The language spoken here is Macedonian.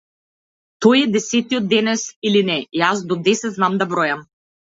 Тој е десетиот денес, или не, јас до десет знам да бројам.